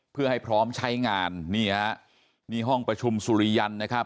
เพื่อให้พร้อมใช้งานนี่ฮะนี่ห้องประชุมสุริยันนะครับ